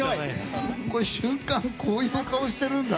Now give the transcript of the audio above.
瞬間、こういう顔してるんだ。